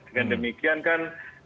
dengan demikian kan